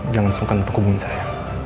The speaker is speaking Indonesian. jangan sungkan untuk hubungi saya